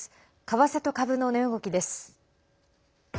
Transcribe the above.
為替と株の値動きです。